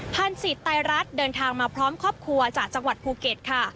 สิทธิ์ไตรรัฐเดินทางมาพร้อมครอบครัวจากจังหวัดภูเก็ตค่ะ